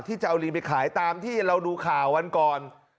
จะเอาลิงไปขายตามที่เราดูข่าววันก่อน